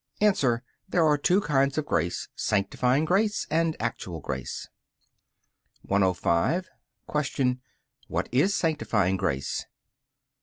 A. There are two kinds of grace, sanctifying grace and actual grace. 105. Q. What is sanctifying grace?